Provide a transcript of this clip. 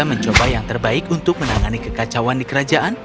mencoba yang terbaik untuk menangani kekacauan di kerajaan